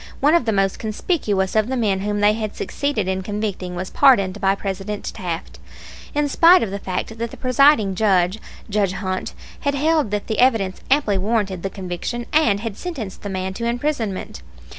One of the most conspicuous of the men whom they had succeeded in convicting was pardoned by President Taft in spite of the fact that the presiding Judge, Judge Hunt, had held that the evidence amply warranted the conviction, and had sentenced the man to imprisonment.